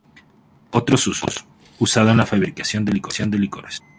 Otros usos: usado en la fabricación de licores.